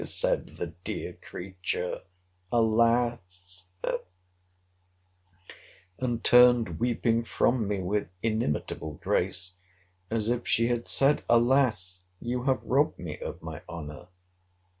said the dear creature—Alas!—And turned weeping from me with inimitable grace—as if she had said—Alas!—you have robbed me of my honour!